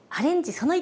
その１？